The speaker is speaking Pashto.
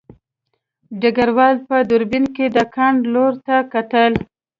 ډګروال په دوربین کې د کان لور ته کتل